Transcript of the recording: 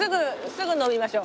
すぐ飲みましょ。